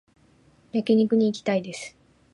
焼肉に行きたいです